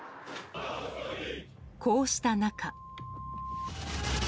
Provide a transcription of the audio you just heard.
こうした中。